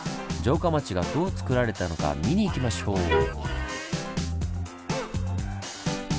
城下町がどうつくられたのか見に行きましょう！